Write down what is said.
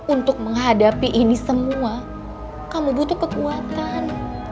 untuk menghadapi ini semua kamu butuh kekuatan